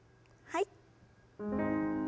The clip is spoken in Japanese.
はい。